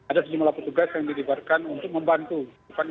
ada sejumlah petugas yang dilibatkan untuk membantu